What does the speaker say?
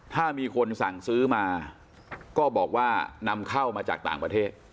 ถ้ามีคนสั่งซื้อมาก็บอกว่านำเข้ามาจากต่างประเทศ